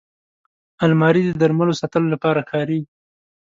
الماري د درملو ساتلو لپاره کارېږي